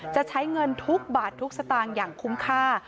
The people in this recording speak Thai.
จะใช้เงินทุกบาททุกสตางค์อย่างคุ้มค่า